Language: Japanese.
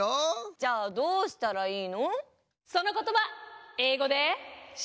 ⁉じゃあどうしたらいいの？え？あう？